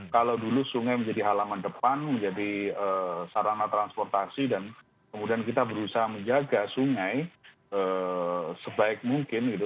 kalau dulu sungai menjadi halaman depan menjadi sarana transportasi dan kemudian kita berusaha menjaga sungai sebaik mungkin gitu